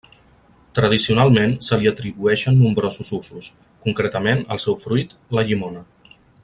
Tradicionalment se li atribueixen nombrosos usos, concretament, al seu fruit, la llimona.